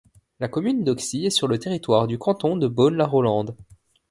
La commune d'Auxy est sur le territoire du canton de Beaune-la-Rolande.